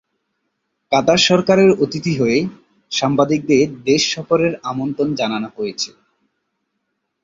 কাতারের সরকারের অতিথি হয়ে সাংবাদিকদের দেশ সফরের আমন্ত্রণ জানানো হয়েছিল।